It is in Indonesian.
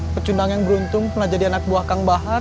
pecundang yang beruntung pernah jadi anak buah kang bahar